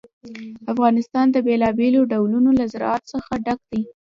افغانستان د بېلابېلو ډولونو له زراعت څخه ډک دی.